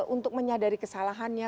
untuk menyadari kesalahannya